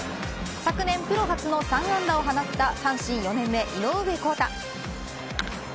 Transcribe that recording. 昨年プロ初の３安打を放った阪神４年目、井上広大。